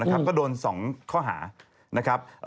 ก็โดน๒ข้อหา